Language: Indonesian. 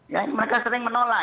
ya mereka sering menolak